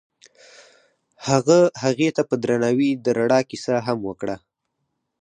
هغه هغې ته په درناوي د رڼا کیسه هم وکړه.